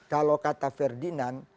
kalau kata ferdinand